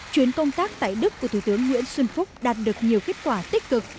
chuyến công tác tại đức của thủ tướng nguyễn xuân phúc đạt được nhiều kết quả tích cực